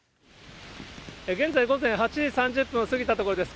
現在、午前８時３０分を過ぎたところです。